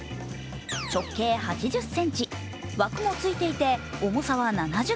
直径８０ｃｍ、枠もついていて重さは７０ｋｇ。